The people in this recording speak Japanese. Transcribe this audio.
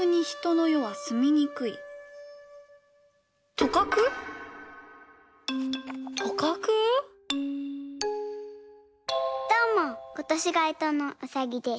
どうもことしがえとのうさぎです。